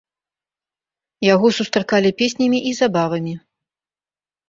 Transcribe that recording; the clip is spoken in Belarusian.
Яго сустракалі песнямі і забавамі.